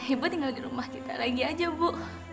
ibu tinggal di rumah kita lagi aja bu